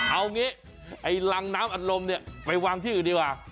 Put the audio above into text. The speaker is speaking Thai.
เอางี้ไอ้รังน้ำอัดลมเนี่ยไปวางที่อื่นดีกว่า